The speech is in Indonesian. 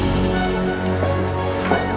kita belum ada pasangan